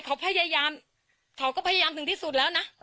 เขาก็พยายามถึงที่สุดแล้วนะ